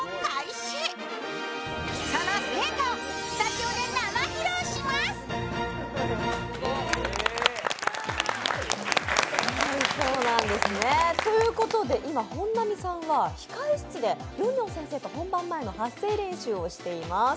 ここで本並さんが紹介したのがということで、今、本並さんは控え室でりょんりょん先生と本番前の発声練習をしています。